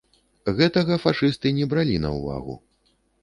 Гэтага фашысты не бралі на ўвагу.